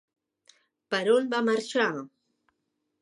Per on va marxar?